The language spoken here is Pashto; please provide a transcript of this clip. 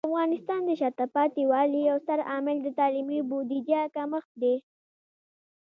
د افغانستان د شاته پاتې والي یو ستر عامل د تعلیمي بودیجه کمښت دی.